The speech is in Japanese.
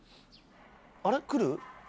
あれ来る？